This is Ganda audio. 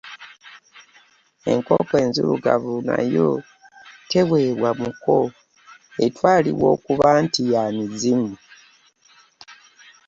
Enkoko enzilugavu nayo teweebwa muko , etwalibwa okuba nti ya mizimizimu.